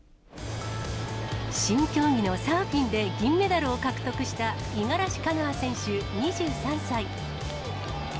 新競技のサーフィンで銀メダルを獲得した五十嵐カノア選手２３歳。